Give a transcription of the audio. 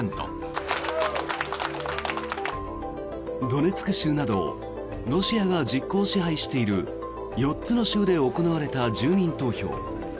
ドネツク州などロシアが実効支配している４つの州で行われた住民投票。